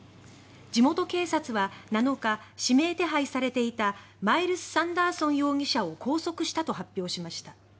地元警察は７日指名手配されていたマイルス・サンダーソン容疑者を拘束したと発表しました。